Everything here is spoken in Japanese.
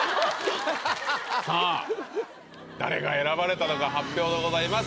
さあ誰が選ばれたのか発表でございます！